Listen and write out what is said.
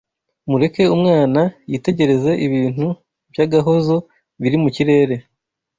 Mureke umwana yitegereze ibintu by’agahozo biri mu kirere